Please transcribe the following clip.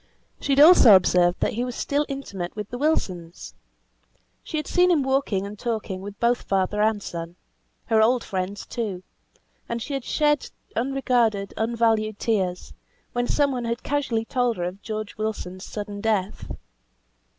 She had also observed that he was still intimate with the Wilsons. She had seen him walking and talking with both father and son; her old friends too; and she had shed unregarded, unvalued tears, when some one had casually told her of George Wilson's sudden death.